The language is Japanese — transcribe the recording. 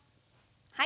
はい。